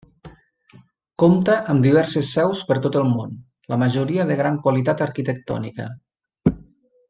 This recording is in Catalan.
Compta amb diverses seus per tot el món, la majoria de gran qualitat arquitectònica.